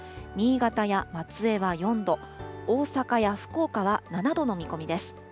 新潟や松江は４度、大阪や福岡は７度の見込みです。